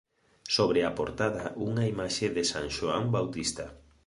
Sobre a portada unha imaxe de San Xoán Bautista.